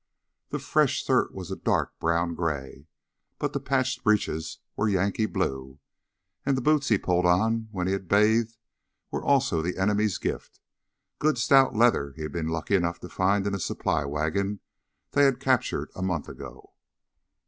The fresh shirt was a dark brown gray, but the patched breeches were Yankee blue, and the boots he pulled on when he had bathed were also the enemy's gift, good stout leather he'd been lucky enough to find in a supply wagon they had captured a month ago.